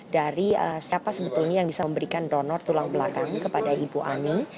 dari siapa sebetulnya yang bisa memberikan donor tulang belakang kepada ibu ani